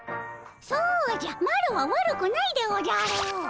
そうじゃマロは悪くないでおじゃる！